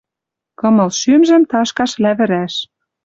Кымыл шӱмжӹм ташкаш лявӹрӓш